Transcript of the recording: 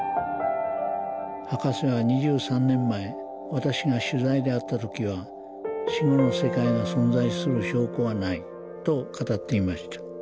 博士は２３年前私が取材で会った時は死後の世界が存在する証拠はないと語っていました。